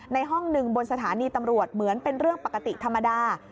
ห้องหนึ่งบนสถานีตำรวจเหมือนเป็นเรื่องปกติธรรมดา